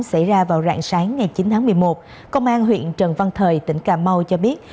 xảy ra vào rạng sáng ngày chín tháng một mươi một công an huyện trần văn thời tỉnh cà mau cho biết